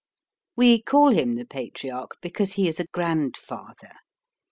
We call him the Patriarch because he is a grandfather.